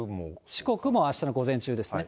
四国もあしたの午前中ですね。